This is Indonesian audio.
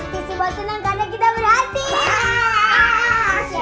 pasti si bos seneng karena kita berhasil